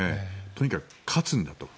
とにかく勝つんだと。